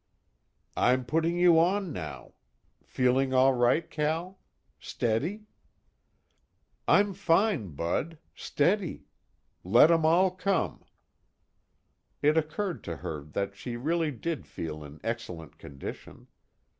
"I'm putting you on now. Feeling all right, Cal? Steady?" "I'm fine, Bud. Steady. Let 'em all come." It occurred to her that she really did feel in excellent condition.